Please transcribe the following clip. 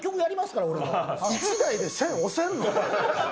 １台で１０００押せるの？